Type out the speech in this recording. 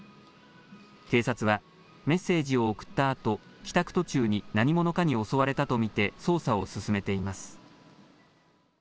警察はメッセージを送った後帰宅途中に何者かに襲われたと見て捜査を進めています。